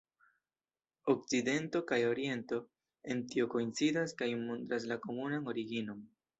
Okcidento kaj Oriento en tio koincidas kaj montras la komunan originon.